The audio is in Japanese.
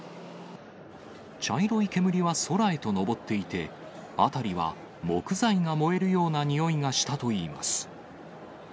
茶色い煙は空へと上っていて、辺りは木材が燃えるようなにおいがしたといいます。